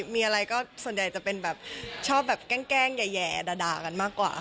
มีอะไรก็ส่วนใหญ่จะเป็นแบบชอบแบบแกล้งแย่ด่ากันมากกว่า